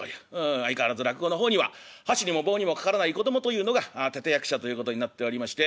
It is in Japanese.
相変わらず落語の方には箸にも棒にも掛からない子供というのが立て役者ということになっておりまして。